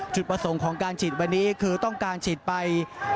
จุดประสงค์ของการฉีดวันนี้คือต้องการฉีดไป